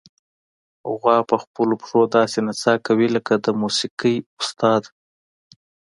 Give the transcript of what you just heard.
غوا په خپلو پښو داسې نڅا کوي لکه د موسیقۍ استاد.